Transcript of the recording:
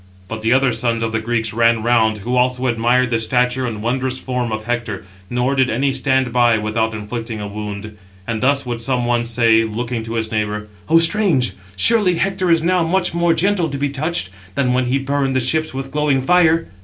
But the other sons of the Greeks ran round, who also admired the stature and wondrous form, of Hector; 712 nor did any stand by without inflicting a wound. And thus would some one say, looking to his neighbour: "Oh, strange! surely Hector is now much more gentle to be touched, than when he burned the ships with glowing fire."